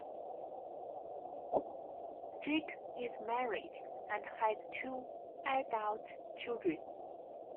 Drake is married and has two adult children.